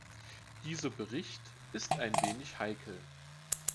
Dieser Bericht ist ein wenig heikel.